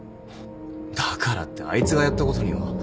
だからってあいつがやったことには。